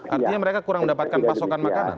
artinya mereka kurang mendapatkan pasokan makanan